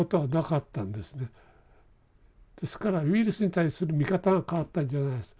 ですからウイルスに対する見方が変わったんじゃないんです。